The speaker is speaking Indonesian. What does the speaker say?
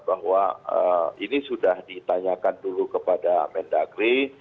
bahwa ini sudah ditanyakan dulu kepada mendagri